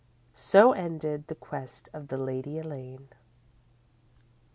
"_ _So ended the Quest of the Lady Elaine.